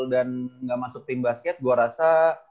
dan gak masuk tim basket gue rasa